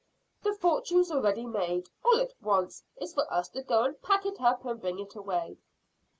The fortune's already made. All it wants is for us to go and pack it up and bring it away."